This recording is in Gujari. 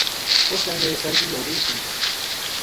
اُس ٹیم ویہ سرگی ہو گئی تھی